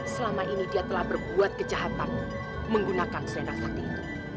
selama ini dia telah berbuat kejahatan menggunakan selendang sakti itu